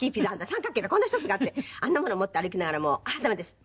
「三角形がこんな１つがあってあんなもの持って歩きながらああダメです！